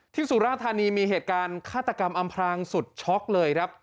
สุราธานีมีเหตุการณ์ฆาตกรรมอำพรางสุดช็อกเลยครับ